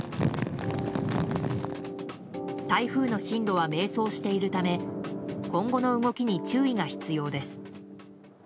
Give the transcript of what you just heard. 台風の進路は迷走しているため今後の動きに注意が必要です。